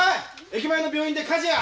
駅前の病院で火事や！